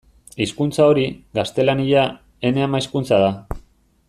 Hizkuntza hori, gaztelania, ene ama-hizkuntza da.